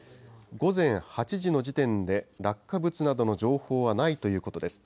午前８時の時点で落下物などの情報はないということです。